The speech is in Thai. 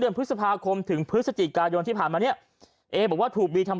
พฤษภาคมถึงพฤศจิกายนที่ผ่านมาเนี่ยเอบอกว่าถูกบีทำ